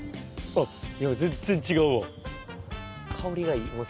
「あっ全然違うわ」